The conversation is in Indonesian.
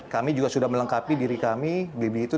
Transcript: kami juga sudah melengkapi diri kami bbm itu